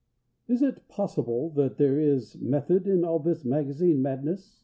Is it possible that there is method in all this magazine madness?